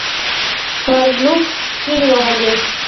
ګارلوک چیغې وهلې.